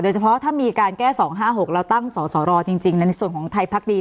โดยเฉพาะถ้ามีการแก้สองห้าหกเราตั้งส่อส่อรอจริงจริงในส่วนของไทยพรรคดี